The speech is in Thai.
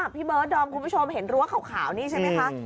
พี่เบิร์ดดอมคุณผู้ชมเห็นรั้วขาวนี่ใช่ไหมคะ